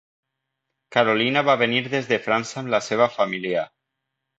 Carolina va venir des de França amb la seva família.